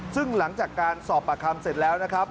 ซึ่งหลังจากการสอบปากคำเสร็จแล้วนะครับ